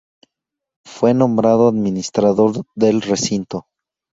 Fue nombrado administrador del recinto.